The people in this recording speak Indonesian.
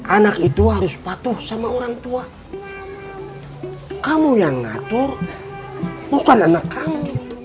anak itu harus patuh sama orang tua kamu yang ngatur bukan anak kamu